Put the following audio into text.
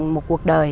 một cuộc đời